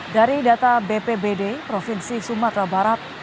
dari data bpbd provinsi sumatera barat